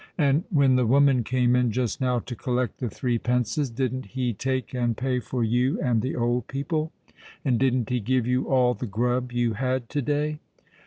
And when the woman came in just now to collect the three pences, didn't he take and pay for you and the old people? And didn't he give you all the grub you had to day?"